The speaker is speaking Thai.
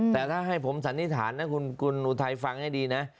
แต่ถ้าให้ผมสันนิษฐานนะคุณอุทัยฟังให้ดีนะ